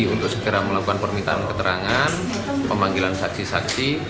untuk segera melakukan permintaan keterangan pemanggilan saksi saksi